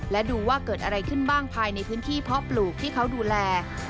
และดูว่าเกิดอะไรขึ้นบ้างภายในพื้นที่เพาะปลูกที่เขาดูแล